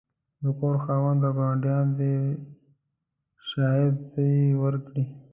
د کور خاوند او ګاونډیان دي باید شاهدې ورکړې.